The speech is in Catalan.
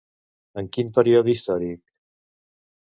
En quin període històric?